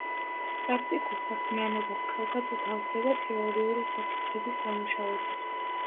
პრაქტიკულ საქმიანობას კარგად უთავსებდა თეორიული საკითხების დამუშავებას.